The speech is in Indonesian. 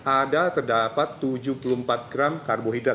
ada terdapat tujuh puluh empat gram karbohidrat